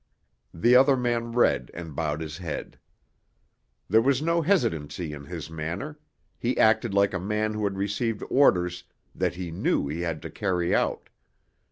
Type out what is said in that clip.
The other man read and bowed his head. There was no hesitancy in his manner; he acted like a man who had received orders that he knew he had to carry out.